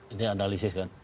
ini analisis kan